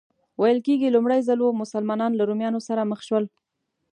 ویل کېږي لومړی ځل و مسلمانان له رومیانو سره مخ شول.